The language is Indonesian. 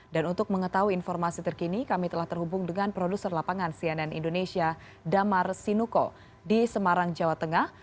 dan untuk mengetahui informasi terkini kami telah terhubung dengan produser lapangan cnn indonesia damar sinuko di semarang jawa tengah